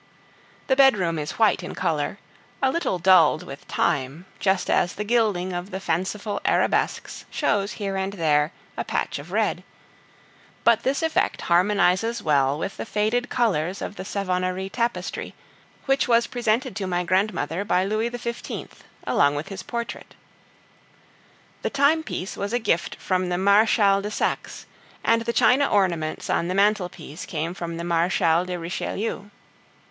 The bedroom is white in color, a little dulled with time, just as the gilding of the fanciful arabesques shows here and there a patch of red; but this effect harmonizes well with the faded colors of the Savonnerie tapestry, which was presented to my grandmother by Louis XV. along with his portrait. The timepiece was a gift from the Marechal de Saxe, and the china ornaments on the mantelpiece came from the Marechal de Richelieu.